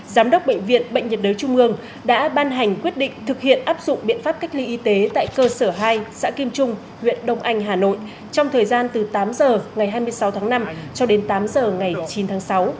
giám đốc bệnh viện bệnh nhiệt đới trung ương đã ban hành quyết định thực hiện áp dụng biện pháp cách ly y tế tại cơ sở hai xã kim trung huyện đông anh hà nội trong thời gian từ tám h ngày hai mươi sáu tháng năm cho đến tám h ngày chín tháng sáu